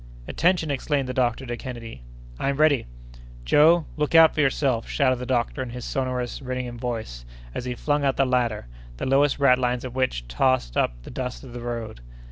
"Attention!" exclaimed the doctor to Kennedy. "I'm ready!" "Joe, look out for yourself!" shouted the doctor in his sonorous, ringing voice, as he flung out the ladder, the lowest ratlines of which tossed up the dust of the road.